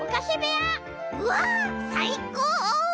「うわっさいこう！」。